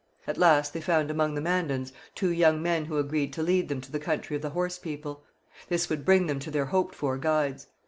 At last they found among the Mandans two young men who agreed to lead them to the country of the Horse People. This would bring them to their hoped for guides.